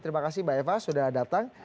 terima kasih mbak eva sudah datang